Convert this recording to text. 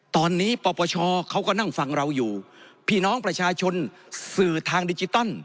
ตอนนี้ปปชเขาก็นั่งฟังเราอยู่พี่น้องประชาชนสื่อทางดิจิตอล